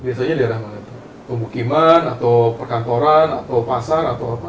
biasanya di daerah mana tuh pemukiman atau perkantoran atau pasar atau apa